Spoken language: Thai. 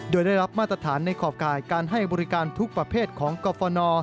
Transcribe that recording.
โดยได้รับมาตรฐานในขอบกายการให้บริการทุกประเภทของกรฟน